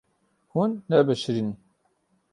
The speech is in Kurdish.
Hûn nebişirîn.